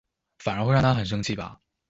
反而會讓他很生氣吧